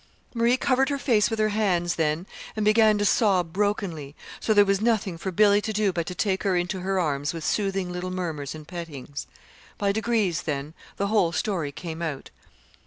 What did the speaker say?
_" Marie covered her face with her hands then and began to sob brokenly; so there was nothing for Billy to do but to take her into her arms with soothing little murmurs and pettings. By degrees, then, the whole story came out.